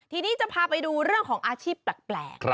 ทีนี้จะพาไปดูเรื่องของอาชีพแปลก